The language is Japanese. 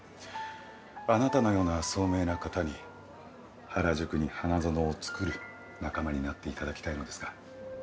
あなたのような聡明な方に原宿に花園を作る仲間になっていただきたいのですが。